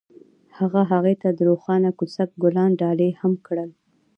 هغه هغې ته د روښانه کوڅه ګلان ډالۍ هم کړل.